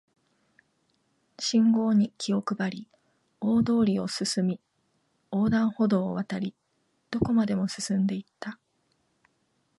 信号に気を配り、大通りを進み、横断歩道を渡り、どこまでも進んで行った